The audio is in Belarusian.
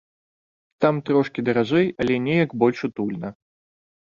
Там трошкі даражэй, але неяк больш утульна.